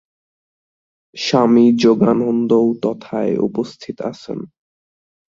স্বামী যোগানন্দও তথায় উপস্থিত আছেন।